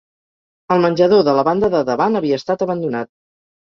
El menjador de la banda de davant havia estat abandonat